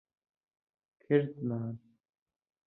کردمان.